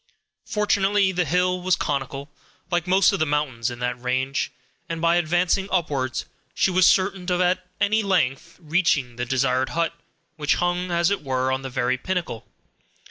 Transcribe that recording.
Fortunately, the hill was conical, like most of the mountains in that range, and, by advancing upwards, she was certain of at length reaching the desired hut, which hung, as it were, on the very pinnacle.